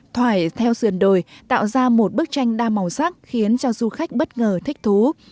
thoải theo sườn đồi tạo ra một bức tranh đa màu sắc khiến cho du khách bất ngờ thích thú